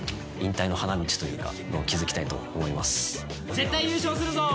絶対優勝するぞ！